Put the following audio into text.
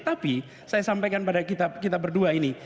tapi saya sampaikan pada kita berdua ini